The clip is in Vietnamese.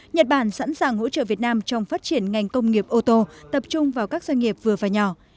nhật bản sẵn sàng hỗ trợ việt nam trong phát triển ngành công nghiệp ô tô tập trung vào các doanh nghiệp vừa và nhỏ